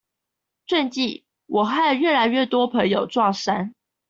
最近，我和越來越多朋友撞衫